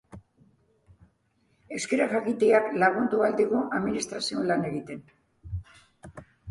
Euskara jakiteak lagundu ahal digu administrazioan lan egiten.